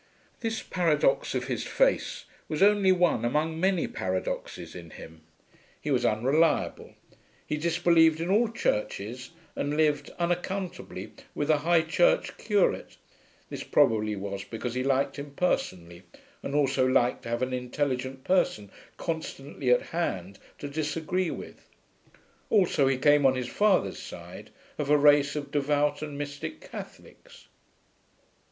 This paradox of his face was only one among many paradoxes in him; he was unreliable; he disbelieved in all churches, and lived, unaccountably, with a High Church curate (this, probably, was because he liked him personally and also liked to have an intelligent person constantly at hand to disagree with; also he came, on his father's side, of a race of devout and mystic Catholics).